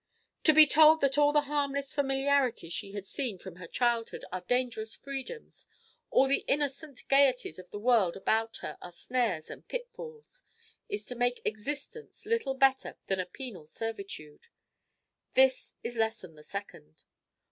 "To be told that all the harmless familiarities she has seen from her childhood are dangerous freedoms, all the innocent gayeties of the world about her are snares and pitfalls, is to make existence little better than a penal servitude, this is lesson the second.